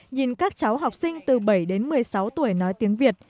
nhìn các cháu học sinh từ bảy đến một mươi sáu tuổi nói tiếng việt